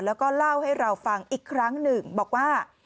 แล้วก็เล่าให้เราฟังอีกครั้งหนึ่งบอกว่า